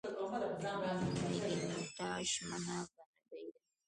مکینټاش مڼه کاناډايي ده.